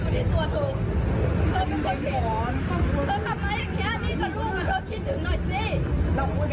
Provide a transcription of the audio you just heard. เธอทำแบบนี้ก็ลูกคิดถึงหน่อยสิ